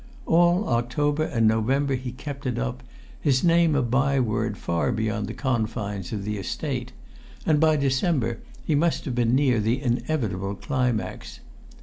All October and November he kept it up, his name a byword far beyond the confines of the Estate, and by December he must have been near the inevitable climax.